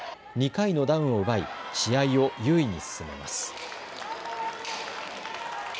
２回のダウンを奪い試合を優位に進めます。